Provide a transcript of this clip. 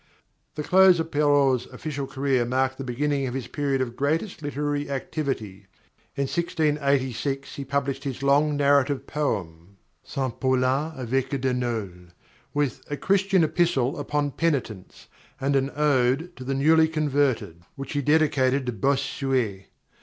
_ _The close of Perrault's official career marked the beginning of his period of greatest literary activity. In 1686 he published his long narrative poem "Saint Paulin Evesque de Nole" with "a Christian Epistle upon Penitence" and "an Ode to the Newly converted," which he dedicated to Bossuet.